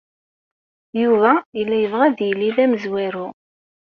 Yuba yella yebɣa ad yili d amezwaru.